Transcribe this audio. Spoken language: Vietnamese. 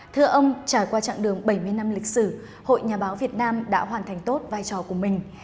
thưa ông trải qua trạng đường bảy mươi năm lịch sử hội nhà báo việt nam đã hoàn thành tốt vai trò của mình